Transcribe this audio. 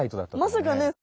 まさかね。